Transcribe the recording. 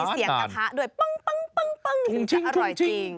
ต้องมีเสียงกระทะด้วยปั๊งถึงจะอร่อยจริง